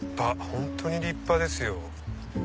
本当に立派ですよ。